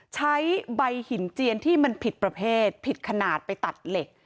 ใช้ใบหินเจียนที่มันผิดประเภทผิดขนาดไปตัดเหล็ก